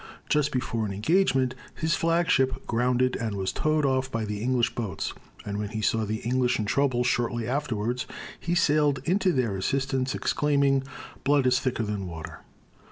Just before an engagement, his flagship grounded and was towed off by the English boats; and when he saw the English in trouble shortly afterwards, he sailed in to their assistance, exclaiming, "Blood is thicker than water!"